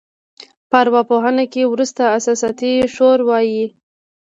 په اروا پوهنه کې ورته احساساتي شور وایي.